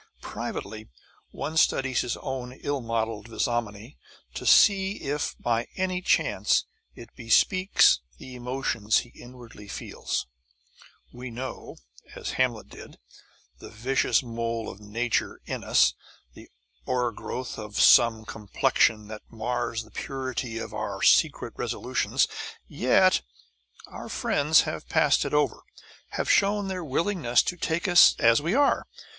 Privately, one studies his own ill modeled visnomy to see if by any chance it bespeaks the emotions he inwardly feels. We know as Hamlet did the vicious mole of nature in us, the o'ergrowth of some complexion that mars the purity of our secret resolutions. Yet our friends have passed it over, have shown their willingness to take us as we are.